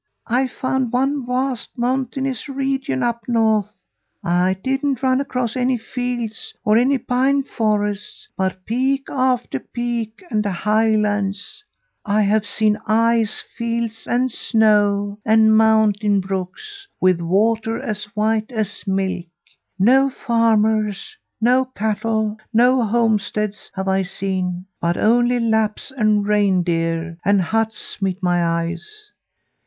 'I found one vast mountainous region up north. I didn't run across any fields or any pine forests, but peak after peak and highlands. I have seen ice fields and snow and mountain brooks, with water as white as milk. No farmers nor cattle nor homesteads have I seen, but only Lapps and reindeer and huts met my eyes.